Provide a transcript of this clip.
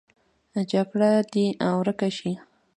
جګړې دې ورکې شي